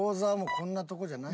こんなとこじゃない。